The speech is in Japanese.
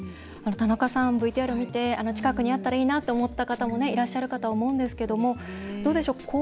田中さん、ＶＴＲを見て近くにあったらいいなと思った方もいらっしゃるかと思うんですけどどうでしょう？